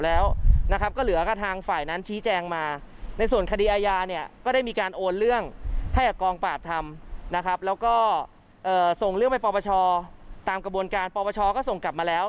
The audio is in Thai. แล้วก็ส่งเรื่องไปปปชตามกระบวนการปปชก็ส่งกลับมาแล้ว